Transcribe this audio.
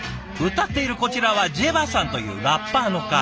歌っているこちらはＪＥＶＡさんというラッパーの方。